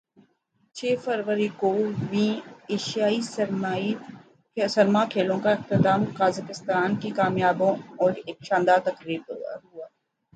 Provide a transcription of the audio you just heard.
چھ فروری کو ویں ایشیائی سرما کھیلوں کا اختتام قازقستان کی کامیابیوں اور ایک شاندار تقریب پر ہوا